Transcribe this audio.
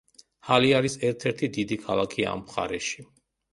ჰალე არის ერთ-ერთი დიდი ქალაქი ამ მხარეში.